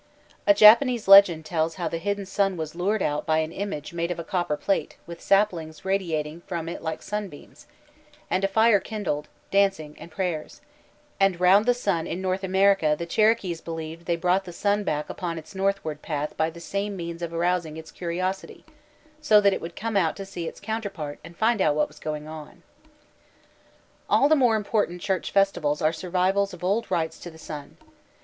A Japanese legend tells how the hidden sun was lured out by an image made of a copper plate with saplings radiating from it like sunbeams, and a fire kindled, dancing, and prayers; and round the earth in North America the Cherokees believed they brought the sun back upon its northward path by the same means of rousing its curiosity, so that it would come out to see its counterpart and find out what was going on. All the more important church festivals are survivals of old rites to the sun.